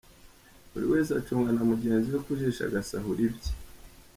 Buri wese acungana na mugenzi we ku jisho agasahura ibye.